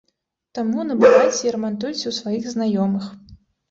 Таму набывайце і рамантуйце ў сваіх знаёмых.